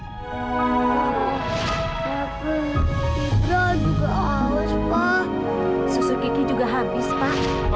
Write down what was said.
juga juga habis pak